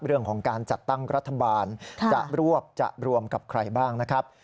เรื่องของการจัดตั้งรัฐบาลจะรวบจะรวมกับใครบ้างนะครับ